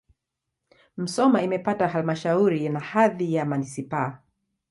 Musoma imepata halmashauri na hadhi ya manisipaa.